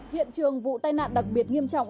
hiện trường vụ tai nạn đặc biệt nghiêm trọng